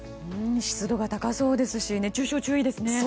湿度も高そうですし熱中症に注意ですね。